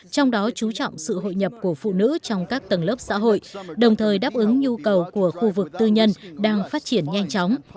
trong đó chú trọng sự hội nhập của phụ nữ trong các tầng lớp xã hội đồng thời đáp ứng nhu cầu của khu vực tư nhân đang phát triển nhanh chóng